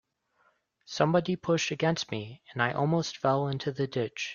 Somebody pushed against me, and I almost fell into the ditch.